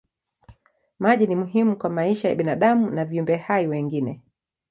Maji ni muhimu kwa maisha ya binadamu na viumbe hai wengine.